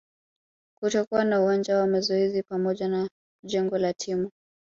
kutokuwa na uwanja wa mazoezi pamoja na jengo la timu